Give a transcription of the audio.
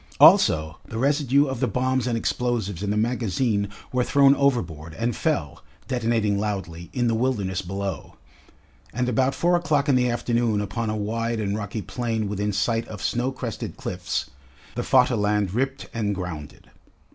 Also the residue of the bombs and explosives in the magazine were thrown overboard and fell, detonating loudly, in the wilderness below. And about four o'clock in the afternoon upon a wide and rocky plain within sight of snow crested cliffs, the Vaterland ripped and grounded.